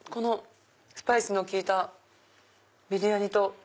スパイスの効いたビリヤニと。